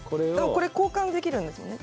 これ交換できるんですもんね？